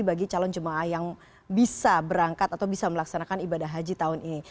bagi calon jemaah yang bisa berangkat atau bisa melaksanakan ibadah haji tahun ini